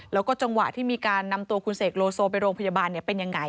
แล้วก็จังหวะที่มีการนำตัวคุณเสกโลโซไปโรงพยาบาลเป็นยังไง